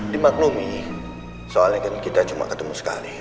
dimaklumi soalnya kan kita cuma ketemu sekali